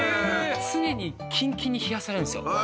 常にキンキンに冷やされるんですよ。